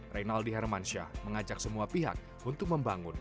reynaldi hermansyah mengajak semua pihak untuk membangun